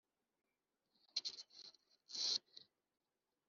urifuza ko nagukorera iki